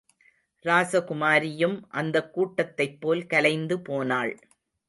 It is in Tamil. ராசகுமாரியும் அந்தக் கூட்டத்தைப்போல் கலைந்துபோனாள்.